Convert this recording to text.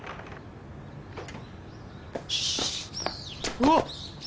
うわっ！